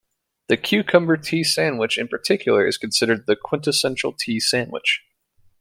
The cucumber tea sandwich in particular is considered the quintessential tea sandwich.